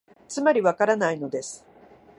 つまり、わからないのです